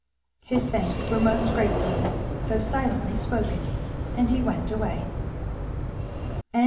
His thanks were most gratefully though silently spoken, and he went away.